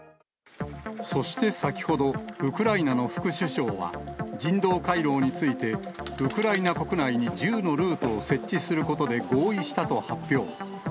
そして先ほど、ウクライナの副首相は、人道回廊について、ウクライナ国内に１０のルートを設置することで合意したと発表。